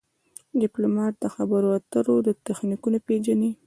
ډيپلومات د خبرو اترو تخنیکونه پېژني.